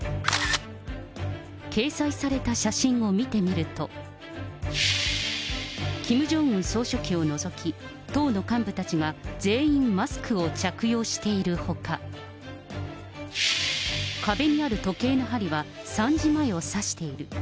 掲載された写真を見てみると、キム・ジョンウン総書記を除き、党の幹部たちは全員マスクを着用しているほか、壁にある時計の針は３時前を指している。